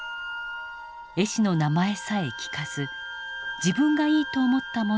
絵師の名前さえ聞かず自分がいいと思ったものを買う。